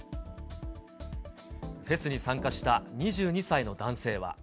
フェスに参加した２２歳の男性は。